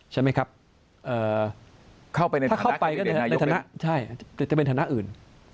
ใช่ไหมครับถ้าเข้าไปก็จะเป็นฐานะอื่น